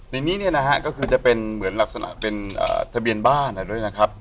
ในนี้เนี่ยนะฮะก็คือจะเป็นเหมือนลักษณะเป็นทะเบียนบ้านอะไรด้วยนะครับ